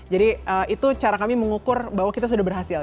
jadi itu cara kami mengukur bahwa kita sudah berhasil